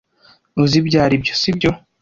Uzi ibyo aribyo, sibyo?